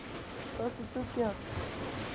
تاسو څوک یاست؟